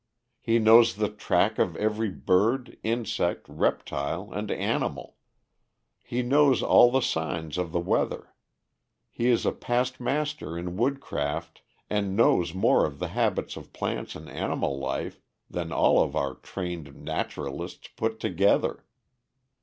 He knows the track of every bird, insect, reptile, and animal. He knows all the signs of the weather. He is a past master in woodcraft, and knows more of the habits of plants and animal life than all of our trained naturalists put together.